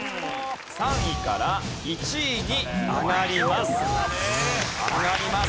３位から１位に上がります。